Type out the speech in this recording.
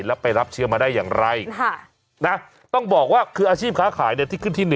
แล้วไปรับเชื้อมาได้อย่างไรต้องบอกว่าคืออาชีพค้าขายที่ขึ้นที่๑